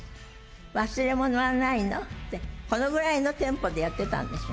忘れ物はないのって、このぐらいのテンポでやってたんですよ。